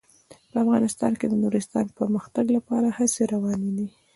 په افغانستان کې د نورستان د پرمختګ لپاره هڅې روانې دي.